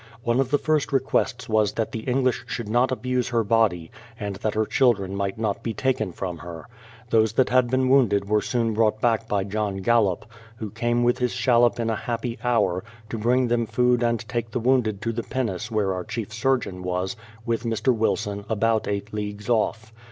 One of her first requests was that the English should not abuse her body, and that her children might not be taken from her. Those that had been wounded were soon brought back by John Galop, who came with his shallop in a happy hour, to bring them food and take the wounded to the pinnace where our chief surgeon was, with Mr. Wilson, about eight leagues off.